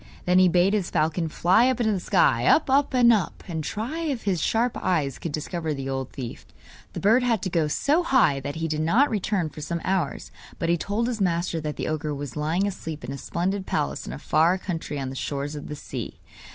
Then he bade his falcon fly up into the sky up, up, and up and try if his sharp eyes could discover the old thief. The bird had to go so high that he did not return for some hours; but he told his master that the ogre was lying asleep in a splendid palace in a far country on the shores of the sea.